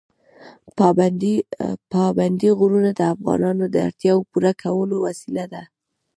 پابندي غرونه د افغانانو د اړتیاوو پوره کولو وسیله ده.